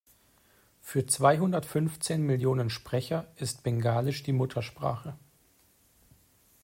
Für zweihundertfünfzehn Millionen Sprecher ist Bengalisch die Muttersprache.